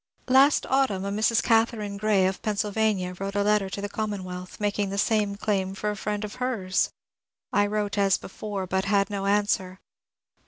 Last autumn a Mrs. Katharine Gray, of Pennsylvania, wrote a letter to the ^^Commonwealth," making the same claim for a friend of hers. I wrote as before, but had no answer.